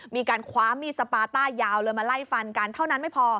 มีการคว้ามีดสปาต้ายาวเลยมาไล่ฟันกันเท่านั้นไม่พอ